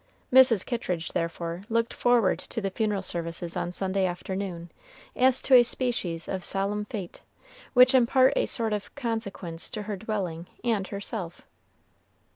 Mrs. Kittridge, therefore, looked forward to the funeral services on Sunday afternoon as to a species of solemn fête, which imparted a sort of consequence to her dwelling and herself.